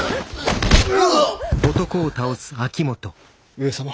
上様。